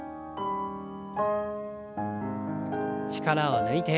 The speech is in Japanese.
力を抜いて。